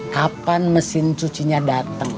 kapan mesin cucinya dateng